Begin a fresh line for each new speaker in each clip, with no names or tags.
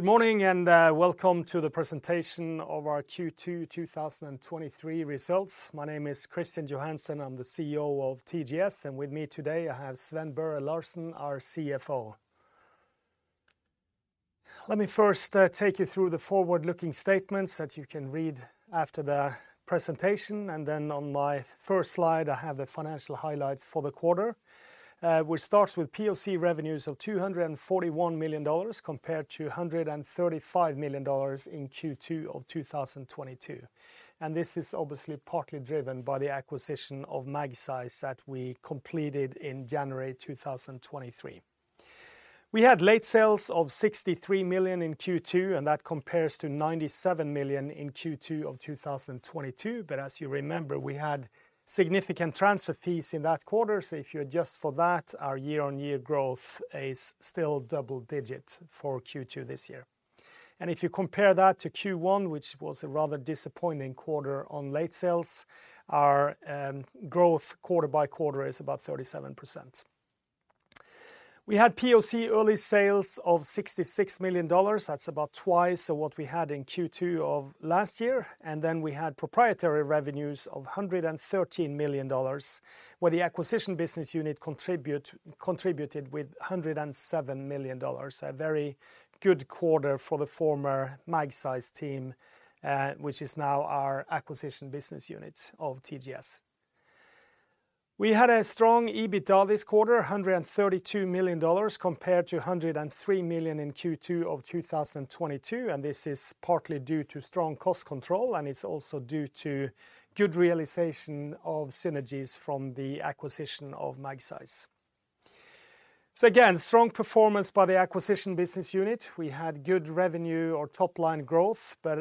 Good morning, welcome to the presentation of our Q2 2023 results. My name is Kristian Johansen. I'm the CEO of TGS, and with me today, I have Sven Børre Larsen, our CFO. Let me first take you through the forward-looking statements that you can read after the presentation. Then on my first slide, I have the financial highlights for the quarter, which starts with POC revenues of $241 million, compared to $135 million in Q2 of 2022, and this is obviously partly driven by the acquisition of Magseis Fairfield that we completed in January 2023. We had late sales of $63 million in Q2, and that compares to $97 million in Q2 of 2022. As you remember, we had significant transfer fees in that quarter. If you adjust for that, our year-on-year growth is still double digits for Q2 this year. If you compare that to Q1, which was a rather disappointing quarter on late sales, our growth quarter by quarter is about 37%. We had POC early sales of $66 million. That's about twice of what we had in Q2 of last year. We had proprietary revenues of $113 million, where the acquisition business unit contributed with $107 million. A very good quarter for the former Magseis team, which is now our acquisition business unit of TGS. We had a strong EBITDA this quarter, $132 million, compared to $103 million in Q2 of 2022. This is partly due to strong cost control, and it's also due to good realization of synergies from the acquisition of Magseis. Again, strong performance by the acquisition business unit. We had good revenue or top-line growth, but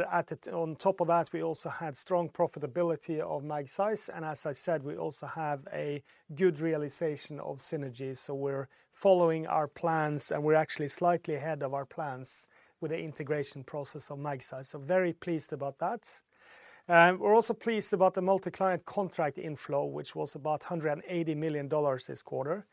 on top of that, we also had strong profitability of Magseis, and as I said, we also have a good realization of synergies, so we're following our plans, and we're actually slightly ahead of our plans with the integration process of Magseis. Very pleased about that. We're also pleased about the multi-client contract inflow, which was about $180 million this quarter.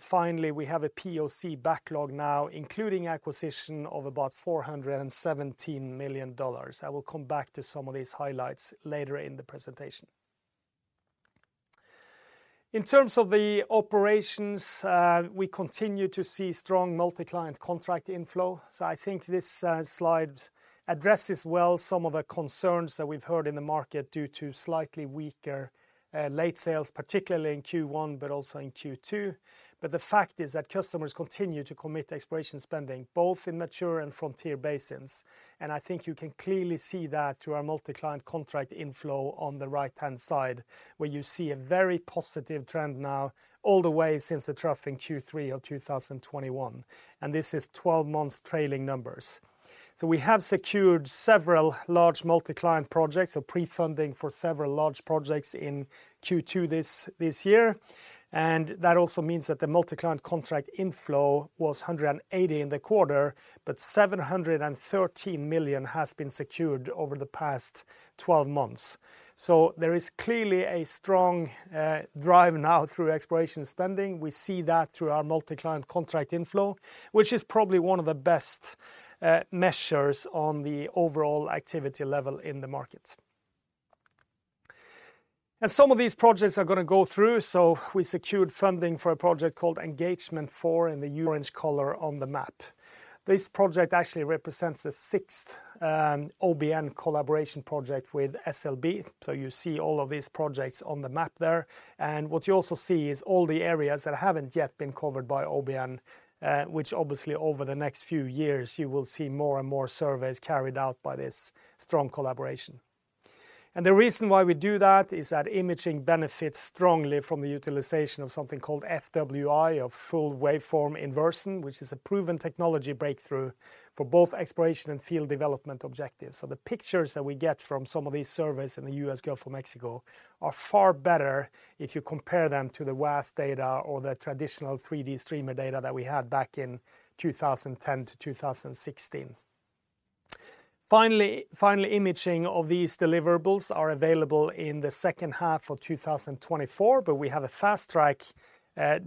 Finally, we have a POC backlog now, including acquisition of about $417 million. I will come back to some of these highlights later in the presentation. In terms of the operations, we continue to see strong multi-client contract inflow, so I think this slide addresses well some of the concerns that we've heard in the market due to slightly weaker late sales, particularly in Q1, but also in Q2. The fact is that customers continue to commit exploration spending, both in mature and frontier basins. I think you can clearly see that through our multi-client contract inflow on the right-hand side, where you see a very positive trend now, all the way since the trough in Q3 of 2021, and this is 12 months trailing numbers. We have secured several large multi-client projects, pre-funding for several large projects in Q2 this year. That also means that the multi-client contract inflow was $180 in the quarter, but $713 million has been secured over the past 12 months. There is clearly a strong drive now through exploration spending. We see that through our multi-client contract inflow, which is probably one of the best measures on the overall activity level in the market. Some of these projects are gonna go through, we secured funding for a project called Engagement 4 in the orange color on the map. This project actually represents the sixth OBN collaboration project with SLB. You see all of these projects on the map there, and what you also see is all the areas that haven't yet been covered by OBN, which obviously, over the next few years, you will see more and more surveys carried out by this strong collaboration. The reason why we do that is that imaging benefits strongly from the utilization of something called FWI or Full Waveform Inversion, which is a proven technology breakthrough for both exploration and field development objectives. The pictures that we get from some of these surveys in the U.S. Gulf of Mexico are far better if you compare them to the vast data or the traditional 3D streamer data that we had back in 2010 to 2016. Final imaging of these deliverables are available in the second half of 2024, but we have a fast-track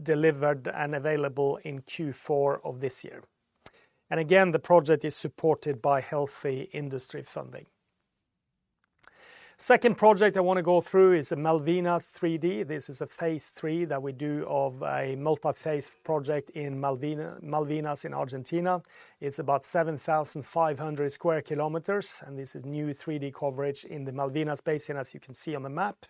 delivered and available in Q4 of this year. Again, the project is supported by healthy industry funding. Second project I wanna go through is the Malvinas 3D. This is a phase three that we do of a multi-phase project in Malvinas in Argentina. It's about 7,500 square kilometers. This is new 3D coverage in the Malvinas Basin, as you can see on the map.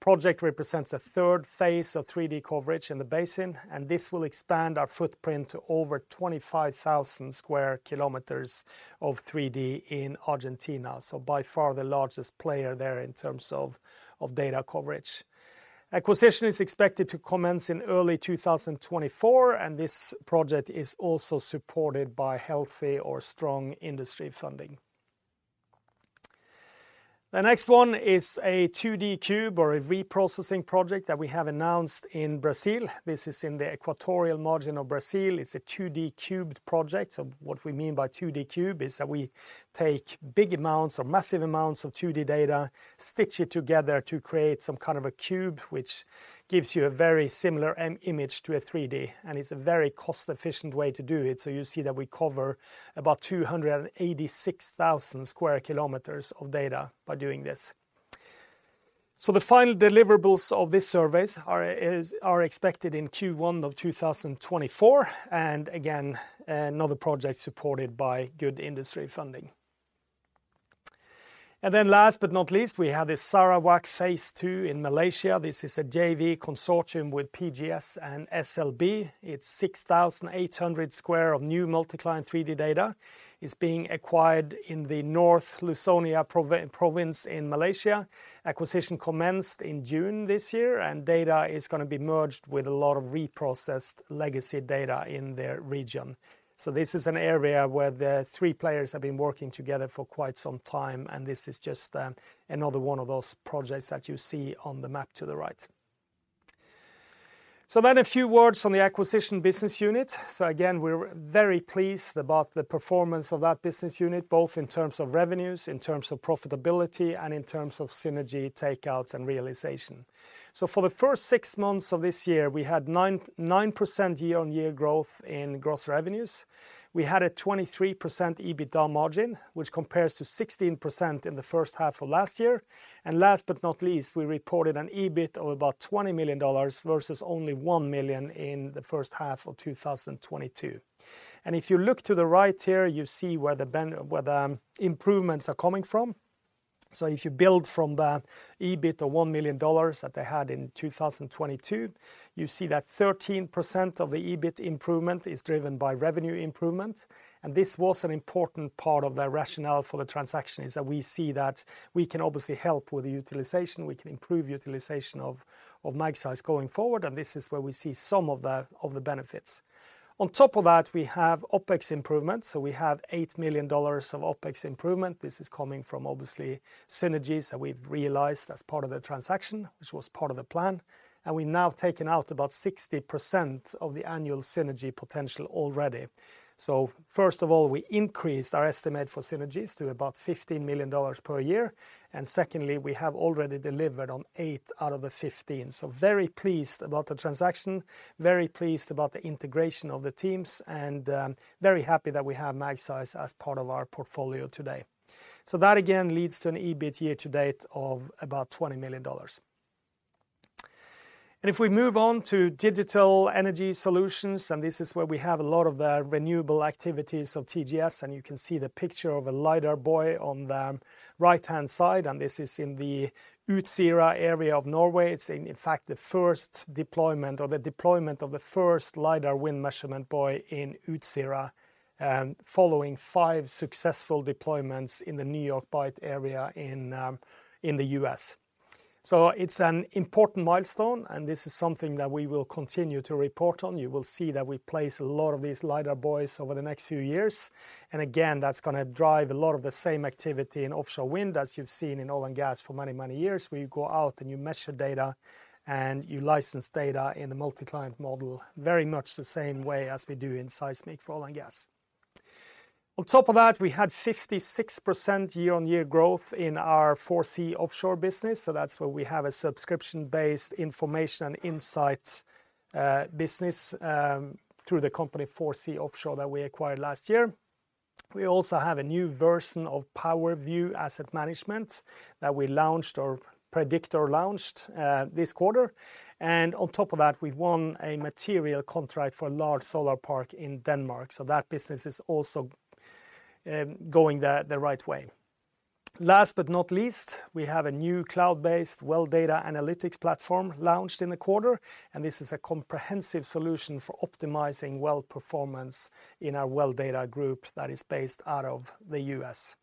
Project represents a third phase of 3D coverage in the basin. This will expand our footprint to over 25,000 square kilometers of 3D in Argentina. By far, the largest player there in terms of data coverage. Acquisition is expected to commence in early 2024. This project is also supported by healthy or strong industry funding. The next one is a 2D cube or a reprocessing project that we have announced in Brazil. This is in the equatorial margin of Brazil. It's a 2D cubed project. What we mean by 2D cube is that we take big amounts or massive amounts of 2D data, stitch it together to create some kind of a cube, which gives you a very similar end image to a 3D, and it's a very cost-efficient way to do it. You see that we cover about 286,000 square kilometers of data by doing this. The final deliverables of this surveys are expected in Q1 of 2024, again, another project supported by good industry funding. Last but not least, we have the Sarawak Phase 2 in Malaysia. This is a JV consortium with PGS and SLB. It's 6,800 square of new multi-client 3D data, is being acquired in the North Luconia province in Malaysia. Acquisition commenced in June this year, and data is gonna be merged with a lot of reprocessed legacy data in their region. This is an area where the three players have been working together for quite some time, and this is just another one of those projects that you see on the map to the right. A few words on the acquisition business unit. Again, we're very pleased about the performance of that business unit, both in terms of revenues, in terms of profitability, and in terms of synergy, takeouts, and realization. For the first six months of this year, we had 9% year-on-year growth in gross revenues. We had a 23% EBITDA margin, which compares to 16% in the first half of last year. Last but not least, we reported an EBIT of about $20 million, versus only $1 million in the first half of 2022. If you look to the right here, you see where the improvements are coming from. If you build from the EBIT of $1 million that they had in 2022, you see that 13% of the EBIT improvement is driven by revenue improvement, this was an important part of the rationale for the transaction, is that we see that we can obviously help with the utilization, we can improve utilization of Magseis going forward, this is where we see some of the benefits. On top of that, we have OpEx improvements, so we have $8 million of OpEx improvement. This is coming from, obviously, synergies that we've realized as part of the transaction, which was part of the plan. We've now taken out about 60% of the annual synergy potential already. First of all, we increased our estimate for synergies to about $15 million per year, secondly, we have already delivered on 8 out of the 15. Very pleased about the transaction, very pleased about the integration of the teams, and very happy that we have Magseis as part of our portfolio today. That again, leads to an EBIT year-to-date of about $20 million. If we move on to digital energy solutions, and this is where we have a lot of the renewable activities of TGS, and you can see the picture of a LiDAR buoy on the right-hand side, and this is in the Utsira area of Norway. It's in fact, the first deployment or the deployment of the first LiDAR wind measurement buoy in Utsira, following five successful deployments in the New York Bight area in the U.S. It's an important milestone, and this is something that we will continue to report on. You will see that we place a lot of these LiDAR buoys over the next few years. Again, that's gonna drive a lot of the same activity in offshore wind as you've seen in oil and gas for many, many years, where you go out and you measure data, and you license data in the multi-client model, very much the same way as we do in seismic for oil and gas. On top of that, we had 56% year-on-year growth in our 4C Offshore business. That's where we have a subscription-based information insight business through the company 4C Offshore that we acquired last year. We also have a new version of PowerView Asset Management that we launched or Prediktor launched this quarter. On top of that, we won a material contract for a large solar park in Denmark, so that business is also going the right way. Last but not least, we have a new cloud-based well data analytics platform launched in the quarter. This is a comprehensive solution for optimizing well performance in our well data group that is based out of the US.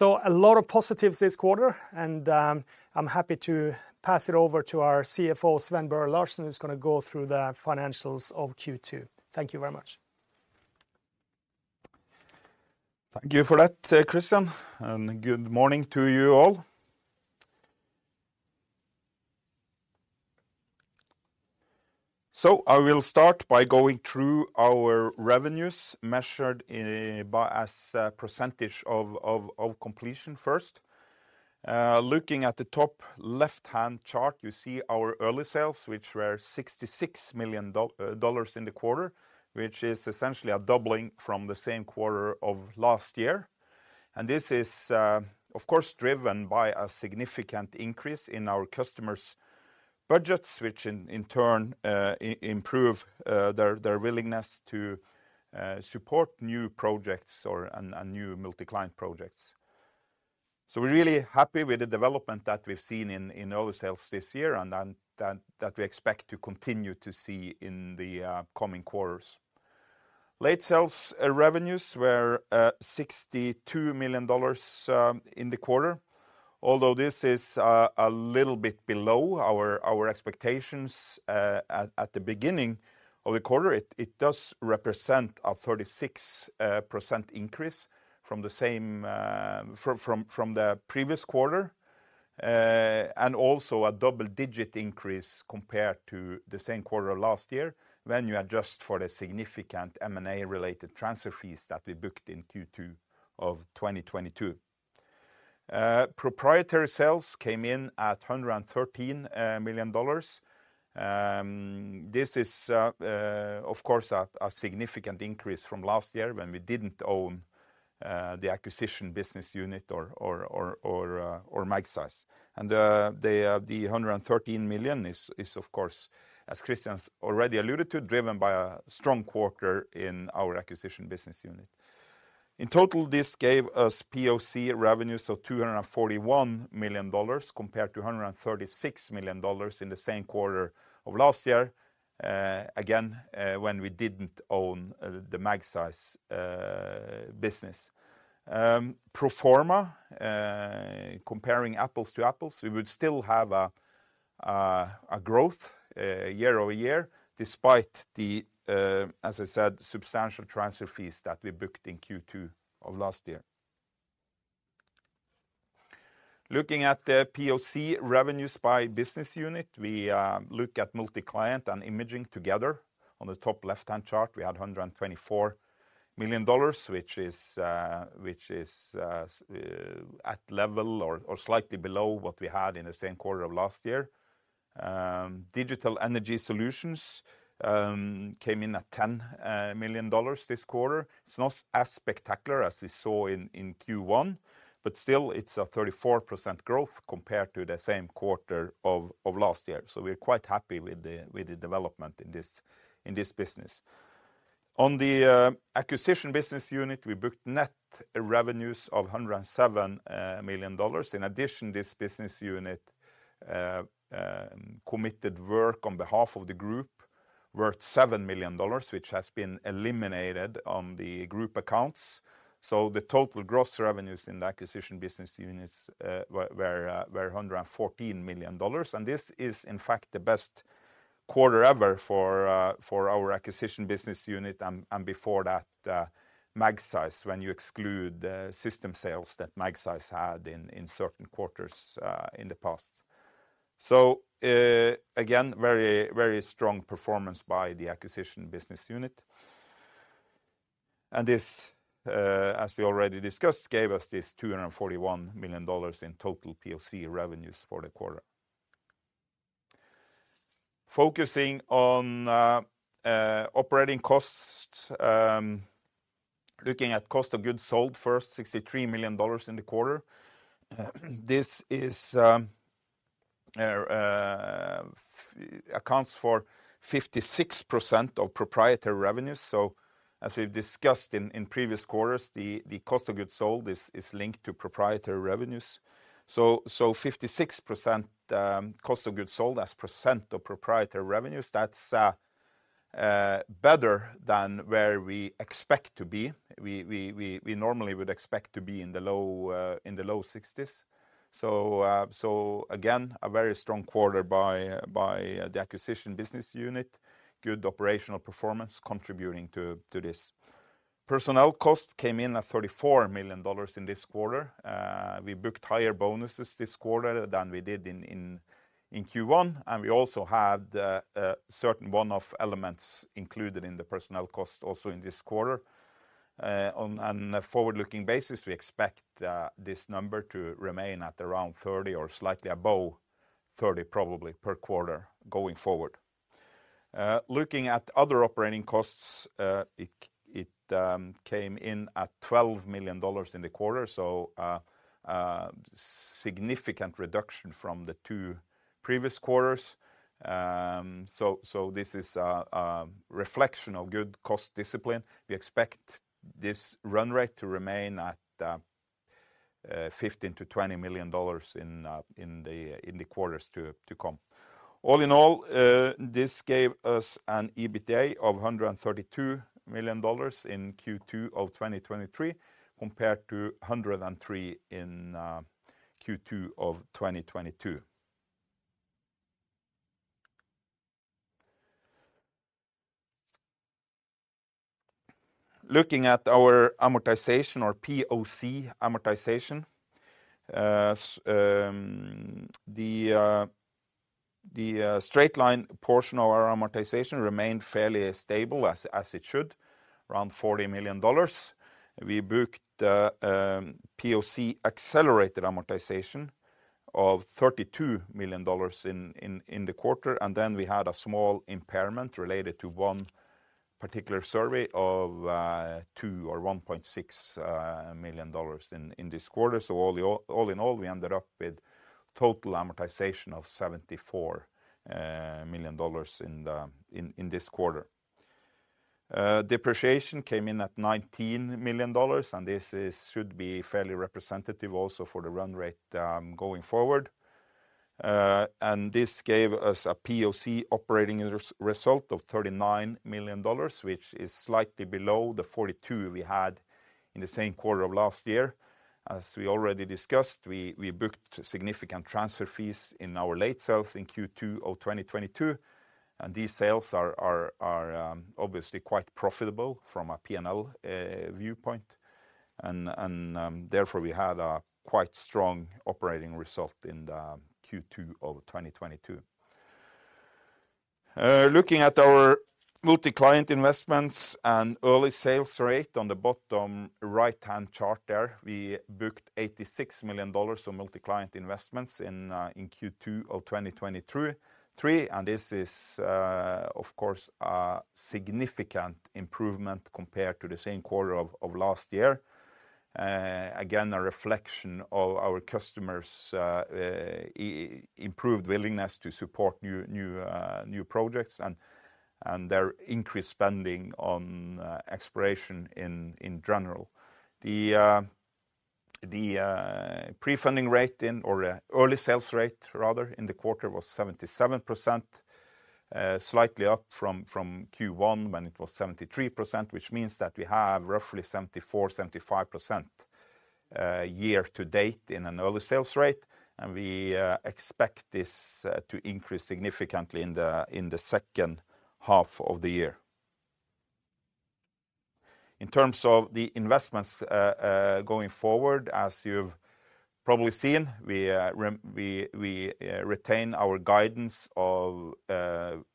A lot of positives this quarter, I'm happy to pass it over to our CFO, Sven Børre Larsen, who's gonna go through the financials of Q2. Thank you very much.
Thank you for that, Kristian Johansen, good morning to you all. I will start by going through our revenues, measured in, by as a percentage of completion first. Looking at the top left-hand chart, you see our early sales, which were $66 million dollars in the quarter, which is essentially a doubling from the same quarter of last year. This is, of course, driven by a significant increase in our customers' budgets, which in turn improve their willingness to support new projects or new multi-client projects. We're really happy with the development that we've seen in our sales this year, and then that we expect to continue to see in the coming quarters. Late sales revenues were $62 million dollars in the quarter. Although this is a little bit below our expectations at the beginning of the quarter, it does represent a 36% increase from the previous quarter, and also a double-digit increase compared to the same quarter last year, when you adjust for the significant M&A-related transfer fees that we booked in Q2 of 2022. Proprietary sales came in at $113 million. This is of course a significant increase from last year when we didn't own the acquisition business unit or Magseis. The $113 million is of course, as Kristian's already alluded to, driven by a strong quarter in our acquisition business unit. In total, this gave us POC revenues of $241 million, compared to $136 million in the same quarter of last year, again, when we didn't own the Magseis business. Pro forma, comparing apples to apples, we would still have a growth year-over-year, despite the, as I said, substantial transfer fees that we booked in Q2 of last year. Looking at the POC revenues by business unit, we look at multi-client and imaging together. On the top left-hand chart, we had $124 million, which is at level or slightly below what we had in the same quarter of last year. Digital energy solutions came in at $10 million this quarter. It's not as spectacular as we saw in Q1, but still it's a 34% growth compared to the same quarter of last year. We're quite happy with the development in this business. On the acquisition business unit, we booked net revenues of $107 million. In addition, this business unit committed work on behalf of the group, worth $7 million, which has been eliminated on the group accounts. The total gross revenues in the acquisition business units were $114 million. This is in fact the best quarter ever for our acquisition business unit, and before that, Magseis, when you exclude the system sales that Magseis had in certain quarters in the past. Again, very strong performance by the acquisition business unit. As we already discussed, gave us this $241 million in total POC revenues for the quarter. Focusing on operating costs, looking at cost of goods sold first, $63 million in the quarter. This accounts for 56% of proprietary revenues. As we've discussed in previous quarters, the cost of goods sold is linked to proprietary revenues. 56% cost of goods sold as % of proprietary revenues, that's better than where we expect to be. We normally would expect to be in the low 60s. Again, a very strong quarter by the acquisition business unit. Good operational performance contributing to this. Personnel cost came in at $34 million in this quarter. We booked higher bonuses this quarter than we did in Q1, and we also had a certain one-off elements included in the personnel cost also in this quarter. On an forward-looking basis, we expect this number to remain at around $30 million or slightly above $30 million, probably per quarter going forward. Looking at other operating costs, it came in at $12 million in the quarter, so significant reduction from the two previous quarters. This is a reflection of good cost discipline. We expect this run rate to remain at $15 million-$20 million in the quarters to come. All in all, this gave us an EBITDA of $132 million in Q2 of 2023, compared to $103 million in Q2 of 2022. Looking at our amortization or POC amortization, the straight-line portion of our amortization remained fairly stable, as it should, around $40 million. We booked POC accelerated amortization of $32 million in the quarter. We had a small impairment related to one particular survey of $2 or $1.6 million in this quarter. All in all, we ended up with total amortization of $74 million in the quarter. Depreciation came in at $19 million, and this should be fairly representative also for the run rate going forward. This gave us a POC operating result of $39 million, which is slightly below the 42 we had in the same quarter of last year. As we already discussed, we booked significant transfer fees in our late sales in Q2 of 2022, and these sales are obviously quite profitable from a P&L viewpoint. Therefore, we had a quite strong operating result in the Q2 of 2022. Looking at our multi-client investments and early sales rate on the bottom right-hand chart there, we booked $86 million of multi-client investments in Q2 of 2023, and this is of course a significant improvement compared to the same quarter of last year. Again, a reflection of our customers', improved willingness to support new projects and their increased spending on exploration in general. The pre-funding rate in or early sales rate, rather, in the quarter was 77%, slightly up from Q1 when it was 73%, which means that we have roughly 74%-75% year to date in an early sales rate, and we expect this to increase significantly in the second half of the year. In terms of the investments going forward, as you've probably seen, we retain our guidance of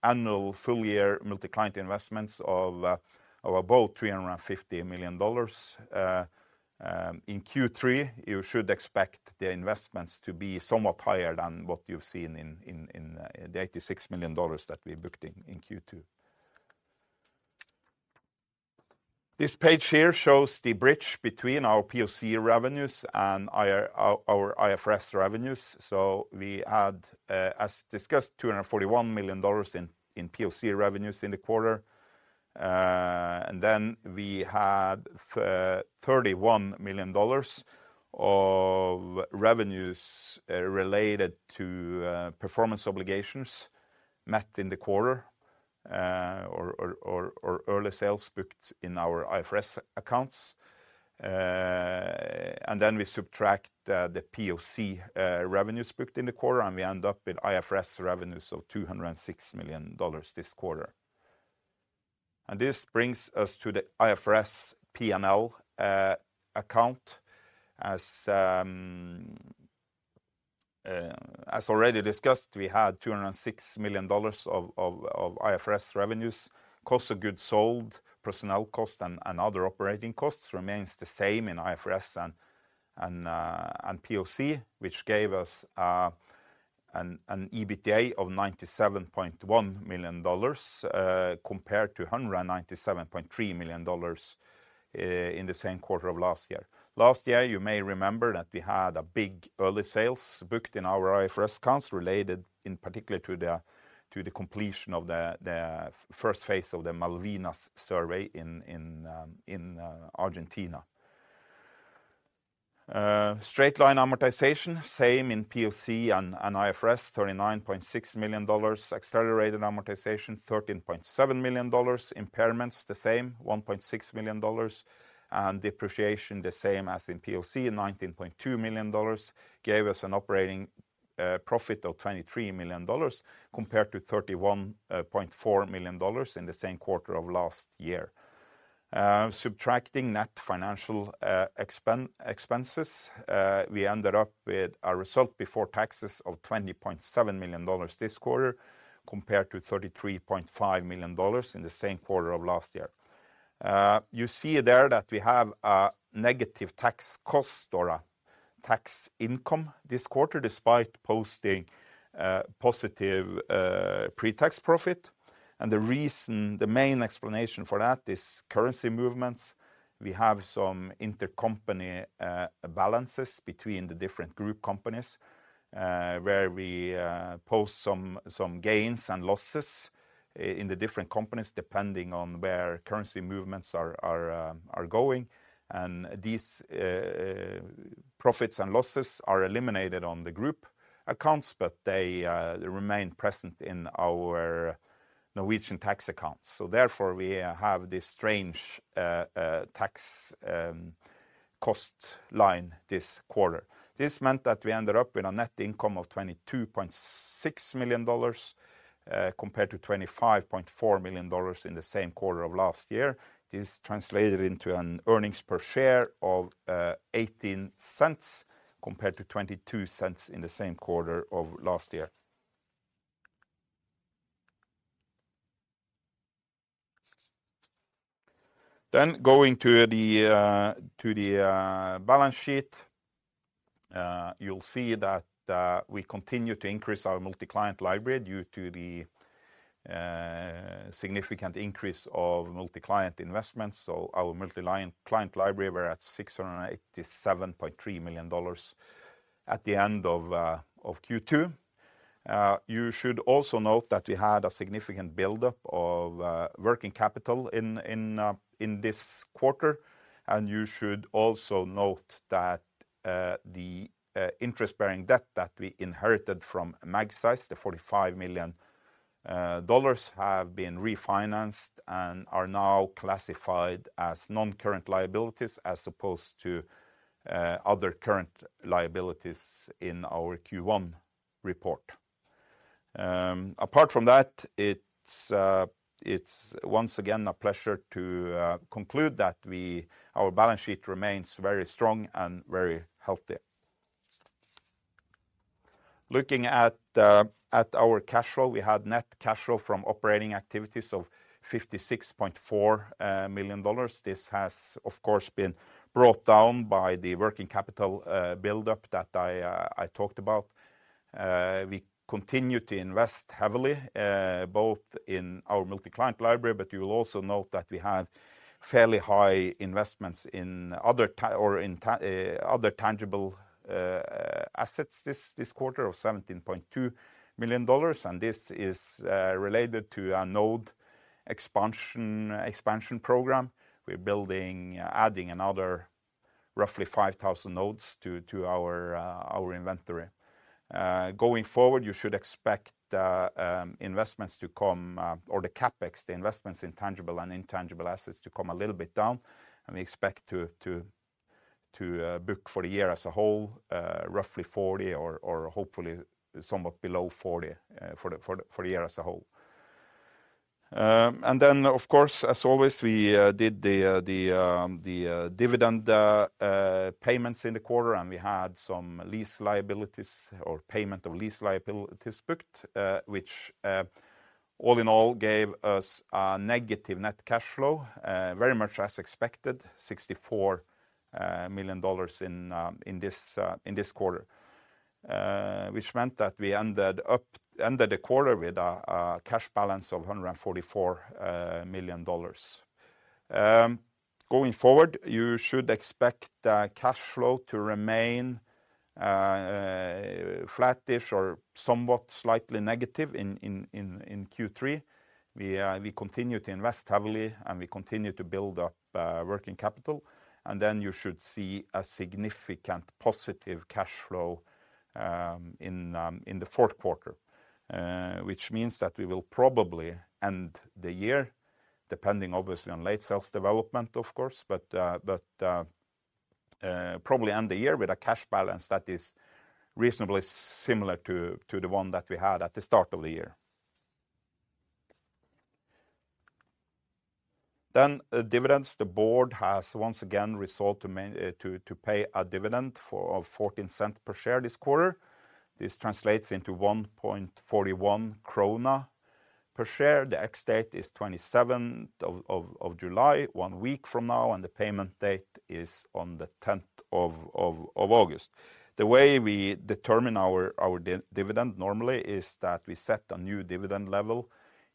annual full-year multi-client investments of about $350 million. In Q3, you should expect the investments to be somewhat higher than what you've seen in the $86 million that we booked in Q2. This page here shows the bridge between our POC revenues and our IFRS revenues. We had, as discussed, $241 million in POC revenues in the quarter. We had $31 million of revenues related to performance obligations met in the quarter, or early sales booked in our IFRS accounts. We subtract the POC revenues booked in the quarter, and we end up with IFRS revenues of $206 million this quarter. This brings us to the IFRS P&L account. As already discussed, we had $206 million of IFRS revenues. Cost of goods sold, personnel cost, and other operating costs remains the same in IFRS and POC, which gave us an EBITDA of $97.1 million compared to $197.3 million in the same quarter of last year. Last year, you may remember that we had a big early sales booked in our IFRS accounts, related in particular to the completion of the first phase of the Malvinas survey in Argentina. Straight-line amortization, same in POC and IFRS, $39.6 million. Accelerated amortization, $13.7 million. Impairments, the same, $1.6 million. Depreciation, the same as in POC, $19.2 million, gave us an operating profit of $23 million, compared to $31.4 million in the same quarter of last year. Subtracting net financial expenses, we ended up with a result before taxes of $20.7 million this quarter, compared to $33.5 million in the same quarter of last year. You see there that we have a negative tax cost or a tax income this quarter, despite posting positive pre-tax profit. The reason, the main explanation for that is currency movements. We have some intercompany balances between the different group companies, where we post some gains and losses in the different companies, depending on where currency movements are going. These profits and losses are eliminated on the group accounts, but they remain present in our Norwegian tax accounts. Therefore, we have this strange tax cost line this quarter. This meant that we ended up with a net income of $22.6 million compared to $25.4 million in the same quarter of last year. This translated into an earnings per share of $0.18 compared to $0.22 in the same quarter of last year. Going to the balance sheet, you'll see that we continue to increase our multi-client library due to the significant increase of multi-client investments. Our multi-client library, we're at $687.3 million at the end of Q2. You should also note that we had a significant buildup of working capital in this quarter. You should also note that the interest-bearing debt that we inherited from Magseis, the $45 million, have been refinanced and are now classified as non-current liabilities, as opposed to other current liabilities in our Q1 report. Apart from that, it's once again a pleasure to conclude that our balance sheet remains very strong and very healthy. Looking at our cash flow, we had net cash flow from operating activities of $56.4 million. This has, of course, been brought down by the working capital buildup that I talked about. We continue to invest heavily, both in our multi-client library, but you will also note that we have fairly high investments in other tangible assets this quarter of $17.2 million, and this is related to a node expansion program. We're building, adding another roughly 5,000 nodes to our inventory. Going forward, you should expect investments to come, or the CapEx, the investments in tangible and intangible assets, to come a little bit down, and we expect to book for the year as a whole, roughly $40 or hopefully somewhat below $40, for the year as a whole. Then, of course, as always, we did the dividend payments in the quarter, and we had some lease liabilities or payment of lease liabilities booked, which all in all, gave us a negative net cash flow, very much as expected, $64 million in this quarter. Meant that we ended the quarter with a cash balance of $144 million. Going forward, you should expect the cash flow to remain flat-ish or somewhat slightly negative in Q3. We continue to invest heavily, and we continue to build up working capital, and then you should see a significant positive cash flow in the fourth quarter. Which means that we will probably end the year, depending obviously on late sales development, of course, probably end the year with a cash balance that is reasonably similar to the one that we had at the start of the year. Dividends. The board has once again resolved to pay a dividend for of $0.14 per share this quarter. This translates into 1.41 krone per share. The ex-date is 27th of July, one week from now, and the payment date is on the 10th of August. The way we determine our dividend normally is that we set a new dividend level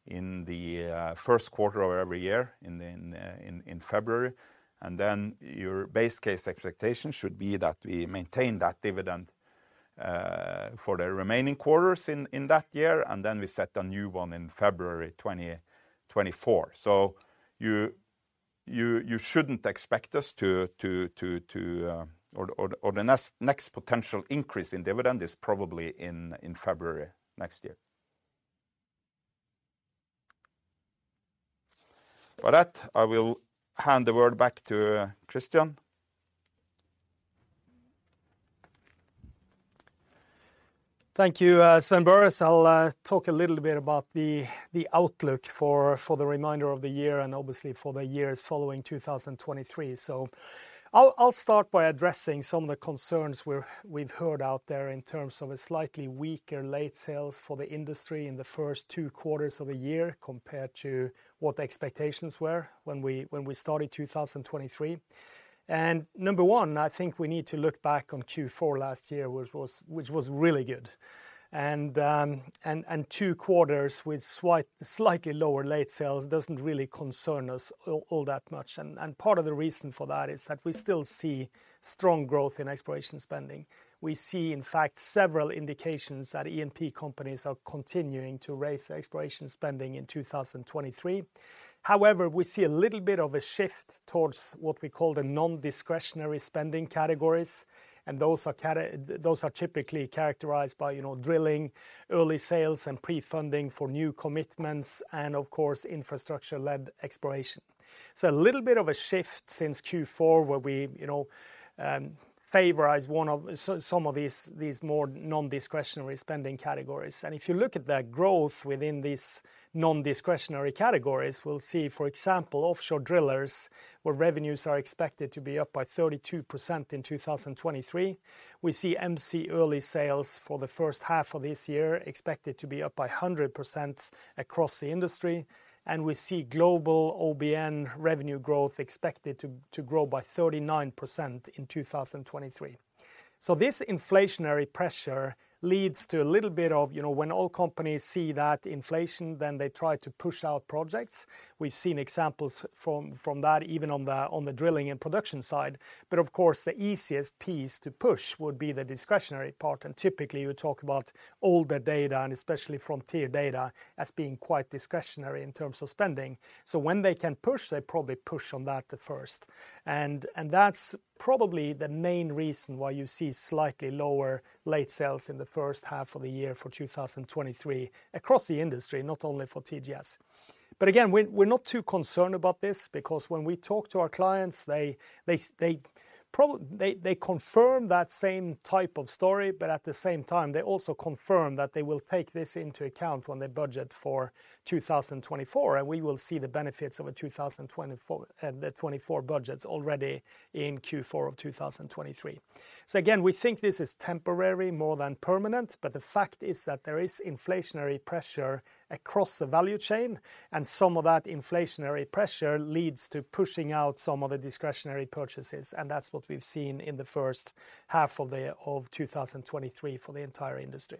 in the first quarter of every year, in February, and then your base case expectation should be that we maintain that dividend for the remaining quarters in that year, and then we set a new one in February 2024. You shouldn't expect us to, or, the next potential increase in dividend is probably in February next year. With that, I will hand the word back to Kristian.
Thank you, Sven Børre Larsen. I'll talk a little bit about the outlook for the remainder of the year and obviously for the years following 2023. I'll start by addressing some of the concerns we've heard out there in terms of a slightly weaker late sales for the industry in the first 2 quarters of the year, compared to what the expectations were when we started 2023. Number one, I think we need to look back on Q4 last year, which was really good. Two quarters with slightly lower late sales doesn't really concern us all that much. Part of the reason for that is that we still see strong growth in exploration spending. We see, in fact, several indications that E&P companies are continuing to raise exploration spending in 2023. However, we see a little bit of a shift towards what we call the non-discretionary spending categories, and those are typically characterized by, you know, drilling, early sales, and pre-funding for new commitments, and of course, infrastructure-led exploration. A little bit of a shift since Q4, where we, you know, favorized some of these more non-discretionary spending categories. If you look at the growth within these non-discretionary categories, we'll see, for example, offshore drillers, where revenues are expected to be up by 32% in 2023. We see MC early sales for the first half of this year expected to be up by 100% across the industry. We see global OBN revenue growth expected to grow by 39% in 2023. This inflationary pressure leads to a little bit of, you know, when all companies see that inflation, then they try to push out projects. We've seen examples from that, even on the drilling and production side. Of course, the easiest piece to push would be the discretionary part, and typically, you talk about all the data, and especially frontier data, as being quite discretionary in terms of spending. When they can push, they probably push on that the first. That's probably the main reason why you see slightly lower late sales in the first half of the year for 2023 across the industry, not only for TGS. Again, we're not too concerned about this because when we talk to our clients, they confirm that same type of story, but at the same time, they also confirm that they will take this into account when they budget for 2024, and we will see the benefits of a 2024, the 2024 budgets already in Q4 of 2023. Again, we think this is temporary more than permanent. The fact is that there is inflationary pressure across the value chain. Some of that inflationary pressure leads to pushing out some of the discretionary purchases. That's what we've seen in the first half of 2023 for the entire industry.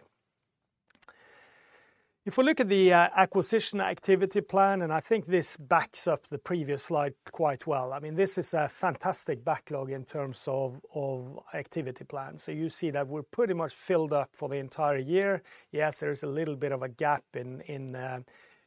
We look at the acquisition activity plan. I think this backs up the previous slide quite well. I mean, this is a fantastic backlog in terms of activity plan. You see that we're pretty much filled up for the entire year. Yes, there is a little bit of a gap in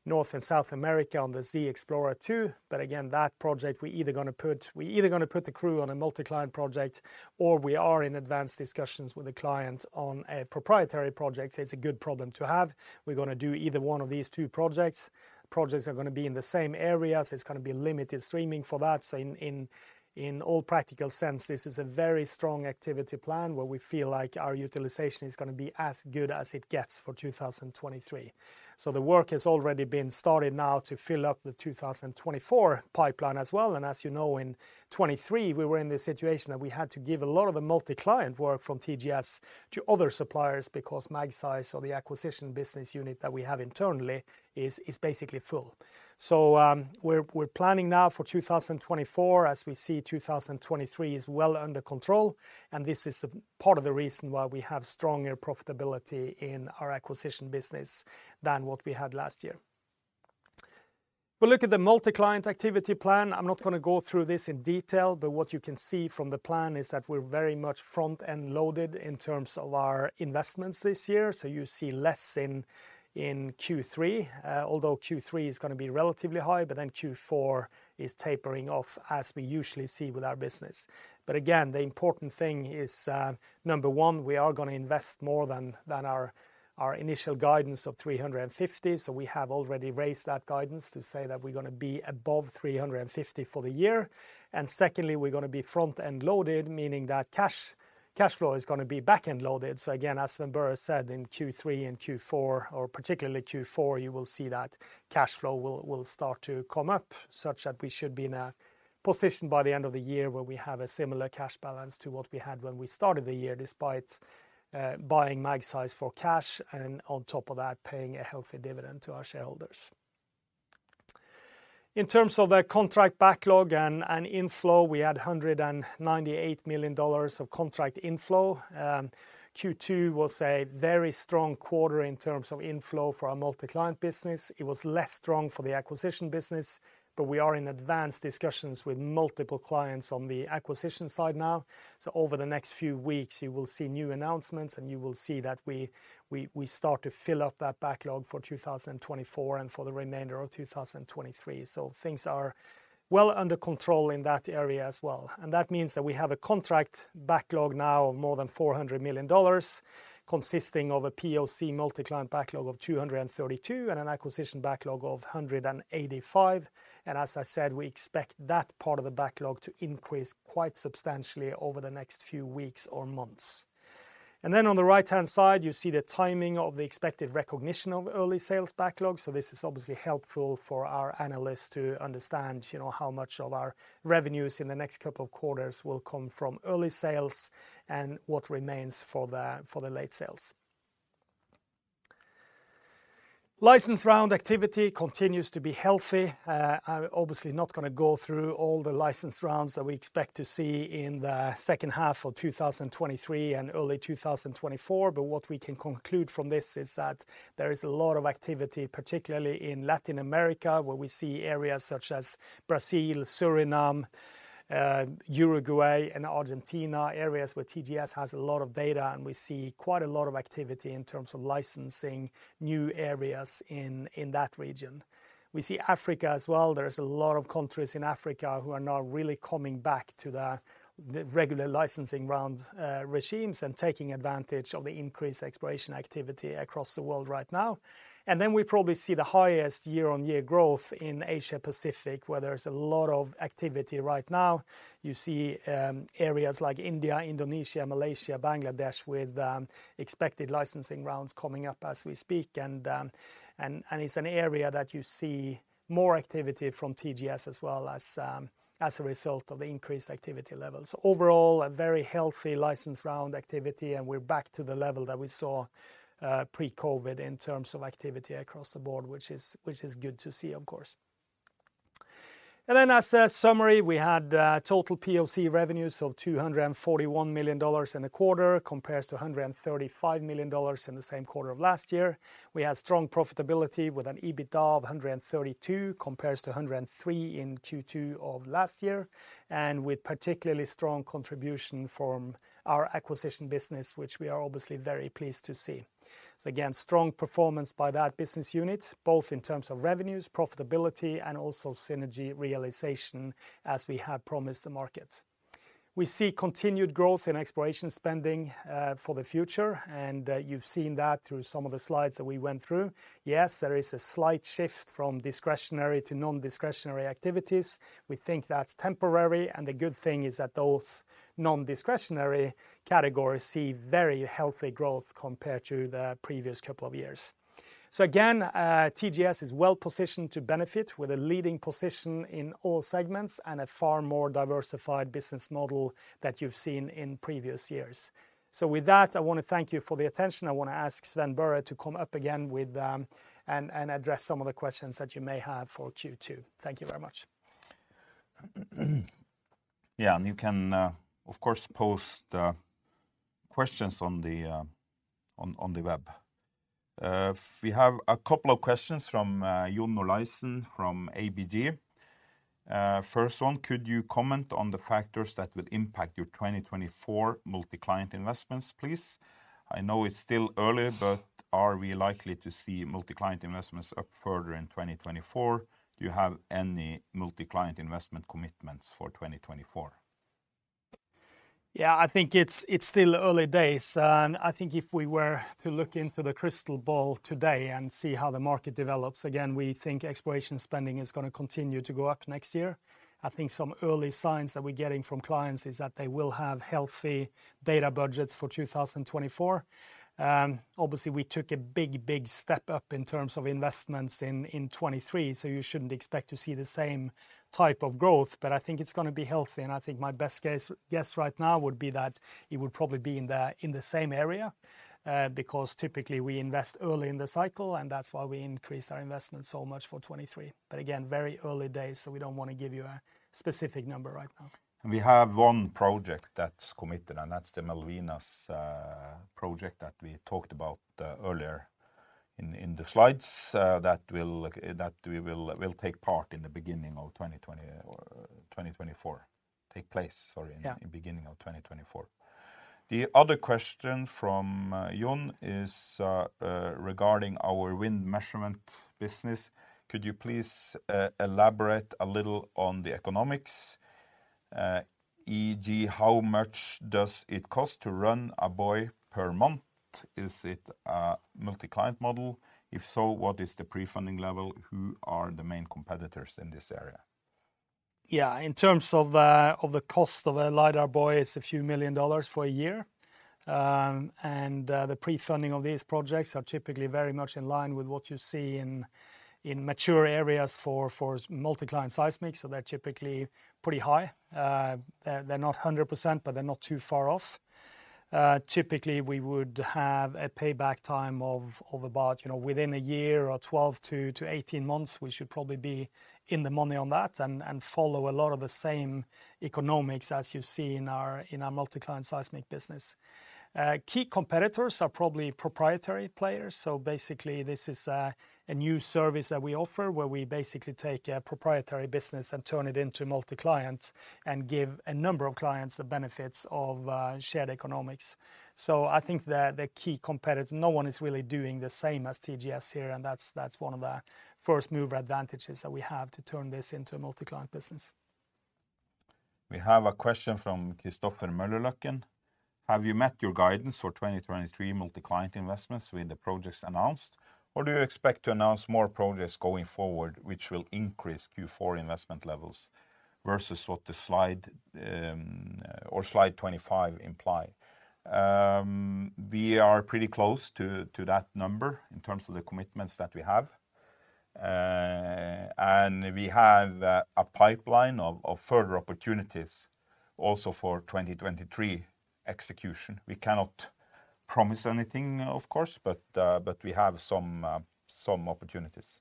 North and South America on the Sea Explorer II. Again, that project, we either gonna put the crew on a multi-client project, or we are in advanced discussions with a client on a proprietary project. It's a good problem to have. We're gonna do either one of these two projects. Projects are gonna be in the same areas. It's gonna be limited streaming for that. In all practical sense, this is a very strong activity plan, where we feel like our utilization is gonna be as good as it gets for 2023. The work has already been started now to fill up the 2024 pipeline as well. As you know, in 2023, we were in the situation that we had to give a lot of the multi-client work from TGS to other suppliers because Magseis or the acquisition business unit that we have internally is basically full. We're planning now for 2024, as we see 2023 is well under control, and this is part of the reason why we have stronger profitability in our acquisition business than what we had last year. We look at the multi-client activity plan. I'm not gonna go through this in detail, but what you can see from the plan is that we're very much front-end loaded in terms of our investments this year. You see less in Q3, although Q3 is gonna be relatively high, Q4 is tapering off, as we usually see with our business. Again, the important thing is, number one, we are gonna invest more than our initial guidance of $350. We have already raised that guidance to say that we're gonna be above $350 for the year. Secondly, we're gonna be front-end loaded, meaning that cash flow is gonna be back-end loaded. Again, as Sven Børre said, in Q3 and Q4 or particularly Q4, you will see that cash flow will start to come up, such that we should be in a position by the end of the year, where we have a similar cash balance to what we had when we started the year, despite buying Magseis for cash, and on top of that, paying a healthy dividend to our shareholders. In terms of the contract backlog and inflow, we had $198 million of contract inflow. Q2 was a very strong quarter in terms of inflow for our multi-client business. It was less strong for the acquisition business, but we are in advanced discussions with multiple clients on the acquisition side now. Over the next few weeks, you will see new announcements, and you will see that we start to fill up that backlog for 2024 and for the remainder of 2023. Things are well under control in that area as well. That means that we have a contract backlog now of more than $400 million, consisting of a POC multi-client backlog of $232 million and an acquisition backlog of $185 million. As I said, we expect that part of the backlog to increase quite substantially over the next few weeks or months. On the right-hand side, you see the timing of the expected recognition of early sales backlog. This is obviously helpful for our analysts to understand, you know, how much of our revenues in the next couple of quarters will come from early sales and what remains for the late sales. License round activity continues to be healthy. I'm obviously not gonna go through all the license rounds that we expect to see in the second half of 2023 and early 2024. What we can conclude from this is that there is a lot of activity, particularly in Latin America, where we see areas such as Brazil, Suriname, Uruguay and Argentina, areas where TGS has a lot of data, and we see quite a lot of activity in terms of licensing new areas in that region. We see Africa as well. There is a lot of countries in Africa who are now really coming back to the regular licensing round regimes and taking advantage of the increased exploration activity across the world right now. We probably see the highest year-on-year growth in Asia Pacific, where there is a lot of activity right now. You see areas like India, Indonesia, Malaysia, Bangladesh, with expected licensing rounds coming up as we speak. It's an area that you see more activity from TGS as well as a result of the increased activity levels. Overall, a very healthy license round activity, and we're back to the level that we saw pre-COVID in terms of activity across the board, which is good to see, of course. As a summary, we had total POC revenues of $241 million in the quarter, compares to $135 million in the same quarter of last year. We had strong profitability with an EBITDA of $132 million, compares to $103 million in Q2 of last year, and with particularly strong contribution from our acquisition business, which we are obviously very pleased to see. Again, strong performance by that business unit, both in terms of revenues, profitability, and also synergy realization, as we had promised the market. We see continued growth in exploration spending for the future, and you've seen that through some of the slides that we went through. Yes, there is a slight shift from discretionary to non-discretionary activities. We think that's temporary, and the good thing is that those non-discretionary categories see very healthy growth compared to the previous couple of years. Again, TGS is well positioned to benefit with a leading position in all segments and a far more diversified business model that you've seen in previous years. With that, I want to thank you for the attention. I want to ask Sven Børre to come up again with and address some of the questions that you may have for Q2. Thank you very much.
You can, of course, post questions on the web. We have a couple of questions from John Olaisen from ABG. First one: could you comment on the factors that would impact your 2024 multi-client investments, please? I know it's still early, but are we likely to see multi-client investments up further in 2024? Do you have any multi-client investment commitments for 2024?
Yeah, I think it's still early days, and I think if we were to look into the crystal ball today and see how the market develops, again, we think exploration spending is gonna continue to go up next year. I think some early signs that we're getting from clients is that they will have healthy data budgets for 2024. Obviously, we took a big step up in terms of investments in 2023, so you shouldn't expect to see the same type of growth, but I think it's gonna be healthy, and I think my best case guess right now would be that it would probably be in the, in the same area, because typically we invest early in the cycle, and that's why we increased our investment so much for 2023. Again, very early days, so we don't want to give you a specific number right now.
We have one project that's committed, and that's the Malvinas project that we talked about earlier in the slides. That we will take part in the beginning of 2020 or 2024. Take place, sorry.
Yeah
In the beginning of 2024. The other question from Jon is regarding our wind measurement business. Could you please elaborate a little on the economics? e.g., how much does it cost to run a buoy per month? Is it a multi-client model? If so, what is the pre-funding level? Who are the main competitors in this area?
In terms of the cost of a LiDAR buoy, it's a few million dollars for a year. The pre-funding of these projects are typically very much in line with what you see in mature areas for multi-client seismic, so they're typically pretty high. They're not 100%, but they're not too far off. Typically, we would have a payback time of about, you know, within a year or 12 to 18 months, we should probably be in the money on that, and follow a lot of the same economics as you see in our multi-client seismic business. Key competitors are probably proprietary players, so basically this is a new service that we offer, where we basically take a proprietary business and turn it into multi-client, and give a number of clients the benefits of shared economics. I think that the key competitor. No one is really doing the same as TGS here, and that's one of the first mover advantages that we have to turn this into a multi-client business.
We have a question from Kristoffer Mella: Have you met your guidance for 2023 multi-client investments with the projects announced, or do you expect to announce more projects going forward, which will increase Q4 investment levels versus what the slide or slide 25 imply? We are pretty close to that number in terms of the commitments that we have. We have a pipeline of further opportunities also for 2023 execution. We cannot promise anything, of course, but we have some opportunities.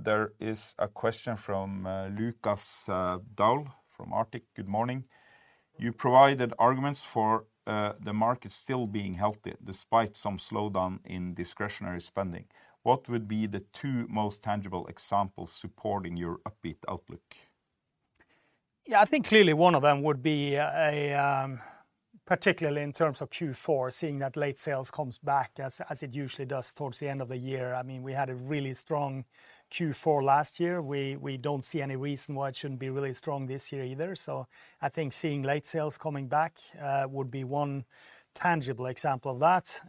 There is a question from Lukas Daul from Arctic Securities. Good morning. You provided arguments for the market still being healthy, despite some slowdown in discretionary spending. What would be the 2 most tangible examples supporting your upbeat outlook?
Yeah, I think clearly one of them would be a, particularly in terms of Q4, seeing that late sales comes back, as it usually does towards the end of the year. I mean, we had a really strong Q4 last year. We don't see any reason why it shouldn't be really strong this year either. I think seeing late sales coming back, would be one tangible example of that.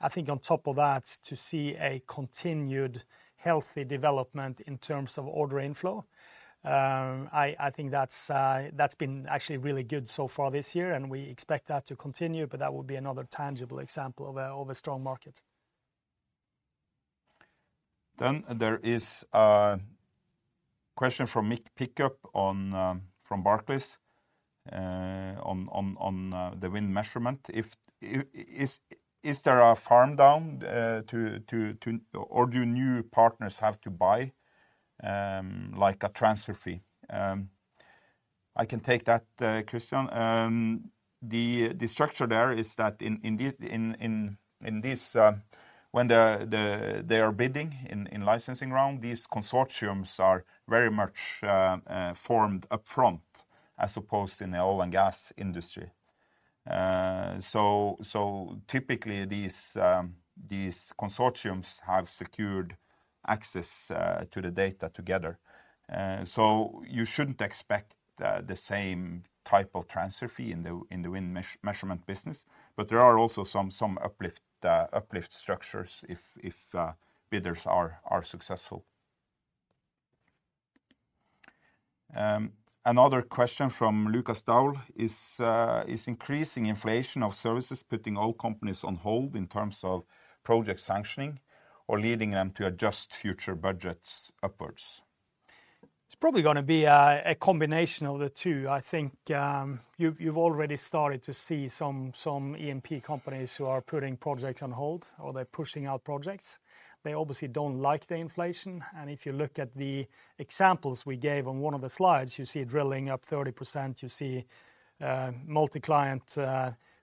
I think on top of that, to see a continued healthy development in terms of order inflow, I think that's been actually really good so far this year, and we expect that to continue, but that would be another tangible example of a strong market.
There is a question from Mick Pickup from Barclays on the wind measurement. Is there a farm down, or do new partners have to buy like a transfer fee? I can take that, Kristian. The structure there is that in this, when they are bidding in licensing round, these consortiums are very much formed upfront, as opposed in the oil and gas industry. So typically these consortiums have secured access to the data together. So you shouldn't expect the same type of transfer fee in the wind measurement business, but there are also some uplift structures if bidders are successful. Another question from Lukas Daul: "Is increasing inflation of services putting all companies on hold in terms of project sanctioning or leading them to adjust future budgets upwards?
It's probably gonna be a combination of the two. I think you've already started to see some E&P companies who are putting projects on hold or they're pushing out projects. They obviously don't like the inflation, and if you look at the examples we gave on one of the slides, you see drilling up 30%, you see multi-client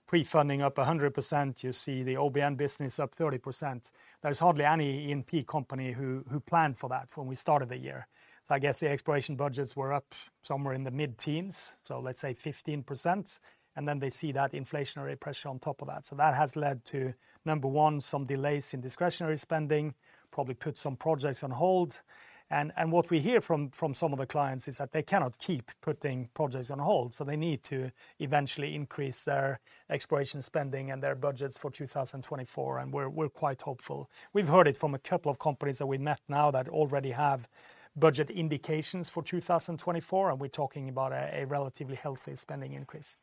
pre-funding up 100%. You see the OBN business up 30%. There is hardly any E&P company who planned for that when we started the year. I guess the exploration budgets were up somewhere in the mid-teens, so let's say 15%, and then they see that inflationary pressure on top of that. That has led to, number one, some delays in discretionary spending, probably put some projects on hold. What we hear from some of the clients is that they cannot keep putting projects on hold, so they need to eventually increase their exploration spending and their budgets for 2024. We're quite hopeful. We've heard it from a couple of companies that we met now that already have budget indications for 2024. We're talking about a relatively healthy spending increase.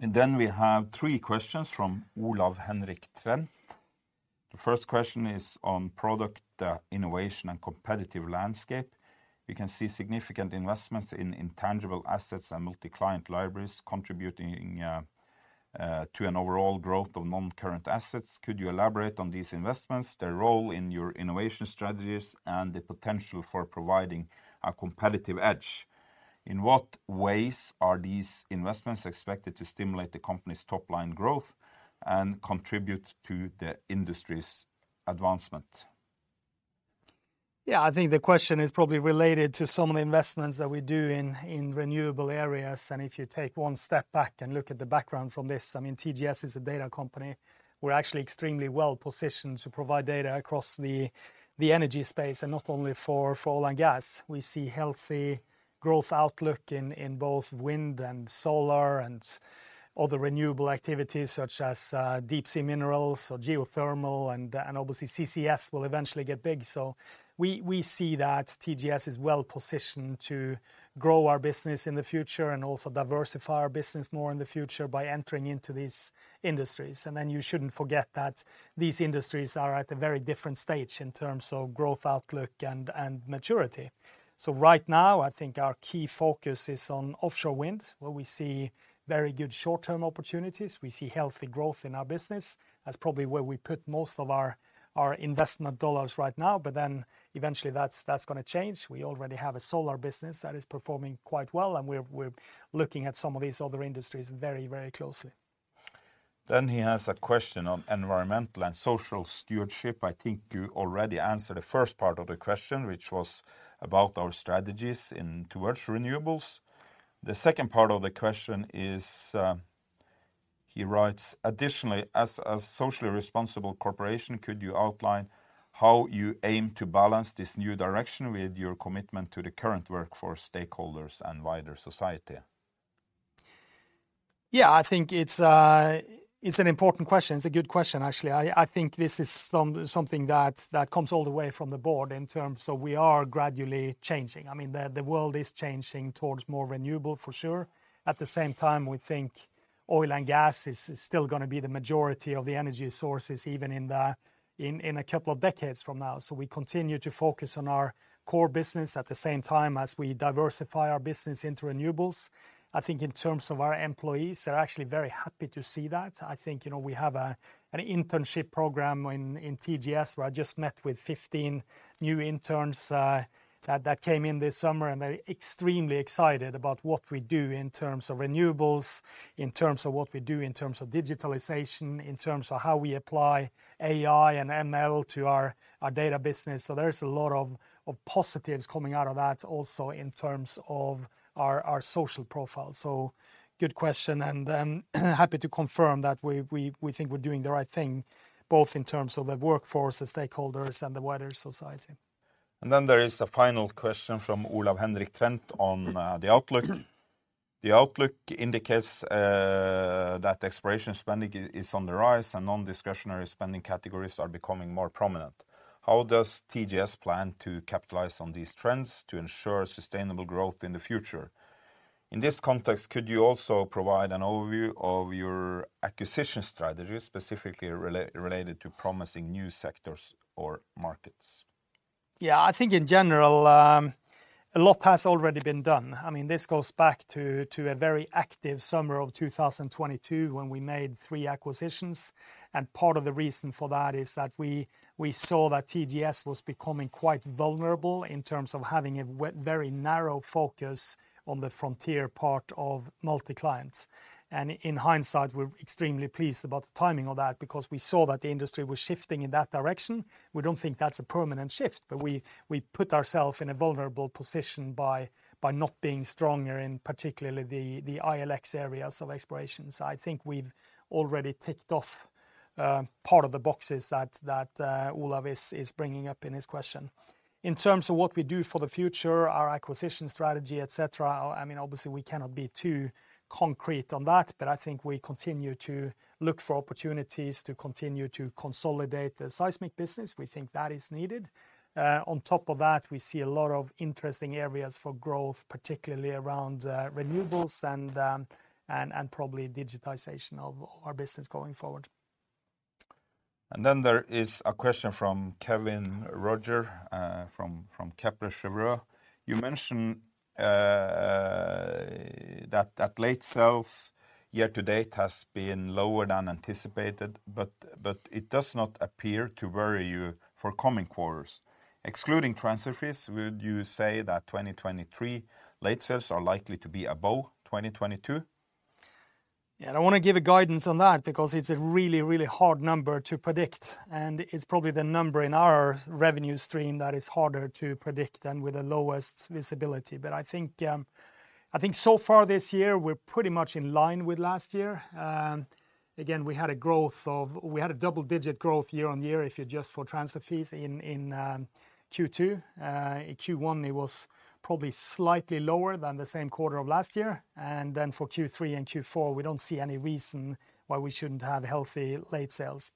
Then we have three questions from Olav Haukeli Ulstein. The first question is on product innovation, and competitive landscape: "We can see significant investments in intangible assets and multi-client libraries contributing to an overall growth of non-current assets. Could you elaborate on these investments, their role in your innovation strategies, and the potential for providing a competitive edge? In what ways are these investments expected to stimulate the company's top-line growth and contribute to the industry's advancement?
Yeah, I think the question is probably related to some of the investments that we do in renewable areas. If you take one step back and look at the background from this, I mean, TGS is a data company. We're actually extremely well positioned to provide data across the energy space and not only for oil and gas. We see healthy growth outlook in both wind and solar and other renewable activities, such as deep sea minerals or geothermal, and obviously, CCS will eventually get big. We see that TGS is well positioned to grow our business in the future and also diversify our business more in the future by entering into these industries. You shouldn't forget that these industries are at a very different stage in terms of growth outlook and maturity. Right now, I think our key focus is on offshore wind, where we see very good short-term opportunities. We see healthy growth in our business. That's probably where we put most of our investment dollars right now. Eventually, that's gonna change. We already have a solar business that is performing quite well. We're looking at some of these other industries very, very closely.
He has a question on environmental and social stewardship. I think you already answered the first part of the question, which was about our strategies in towards renewables. The second part of the question is, he writes: "Additionally, as a socially responsible corporation, could you outline how you aim to balance this new direction with your commitment to the current workforce, stakeholders, and wider society?
Yeah, I think it's an important question. It's a good question, actually. I think this is something that comes all the way from the board in terms of we are gradually changing. I mean, the world is changing towards more renewable, for sure. At the same time, we think oil and gas is still gonna be the majority of the energy sources, even in a couple of decades from now. We continue to focus on our core business at the same time as we diversify our business into renewables. I think in terms of our employees, they're actually very happy to see that. I think, you know, we have an internship program in TGS, where I just met with 15 new interns that came in this summer, and they're extremely excited about what we do in terms of renewables, in terms of what we do, in terms of digitalization, in terms of how we apply AI and ML to our data business. There is a lot of positives coming out of that also in terms of our social profile. Good question, and happy to confirm that we think we're doing the right thing, both in terms of the workforce, the stakeholders, and the wider society.
There is a final question from Olav Henrik Ulstein on the outlook. "The outlook indicates that exploration spending is on the rise, and non-discretionary spending categories are becoming more prominent. How does TGS plan to capitalize on these trends to ensure sustainable growth in the future? In this context, could you also provide an overview of your acquisition strategy, specifically related to promising new sectors or markets?
Yeah, I think in general, a lot has already been done. I mean, this goes back to a very active summer of 2022, when we made 3 acquisitions, and part of the reason for that is that we saw that TGS was becoming quite vulnerable in terms of having a very narrow focus on the frontier part of multi-client. In hindsight, we're extremely pleased about the timing of that because we saw that the industry was shifting in that direction. We don't think that's a permanent shift, we put ourself in a vulnerable position by not being stronger in particularly the ILX areas of explorations. I think we've already ticked off part of the boxes that Olav is bringing up in his question. In terms of what we do for the future, our acquisition strategy, et cetera, I mean, obviously we cannot be too concrete on that, I think we continue to look for opportunities to continue to consolidate the seismic business. We think that is needed. On top of that, we see a lot of interesting areas for growth, particularly around renewables and probably digitization of our business going forward.
There is a question from Kevin Roger, from Kepler Cheuvreux. You mentioned that late sales year to date has been lower than anticipated, but it does not appear to worry you for coming quarters. Excluding transfer fees, would you say that 2023 late sales are likely to be above 2022?
I don't want to give a guidance on that because it's a really, really hard number to predict, and it's probably the number in our revenue stream that is harder to predict and with the lowest visibility. I think, I think so far this year, we're pretty much in line with last year. Again, we had a growth. We had a double-digit growth year-on-year, if you adjust for transfer fees in Q2. In Q1, it was probably slightly lower than the same quarter of last year. For Q3 and Q4, we don't see any reason why we shouldn't have healthy late sales.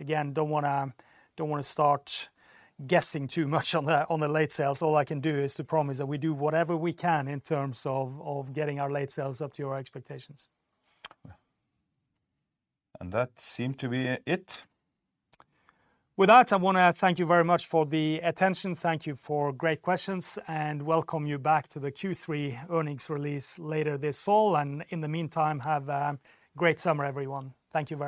Again, don't wanna start guessing too much on the late sales. All I can do is to promise that we do whatever we can in terms of getting our late sales up to your expectations.
That seemed to be it.
With that, I wanna thank you very much for the attention. Thank you for great questions, and welcome you back to the Q3 earnings release later this fall. In the meantime, have a great summer, everyone. Thank you very much.